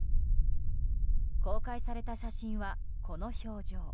公開された写真は、この表情。